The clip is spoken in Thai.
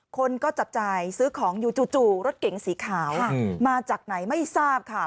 คนก็จับจ่ายซื้อของอยู่จู่รถเก๋งสีขาวมาจากไหนไม่ทราบค่ะ